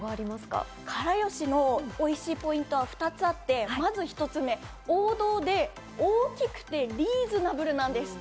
から好しのおいしいポイントは２つあって、まず１つ目、王道で大きくてリーズナブルなんです。